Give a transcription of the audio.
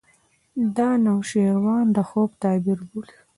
دا د نوشیروان د خوب تعبیر بولي.